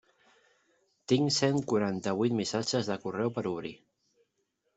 Tinc cent quaranta-vuit missatges de correu per obrir.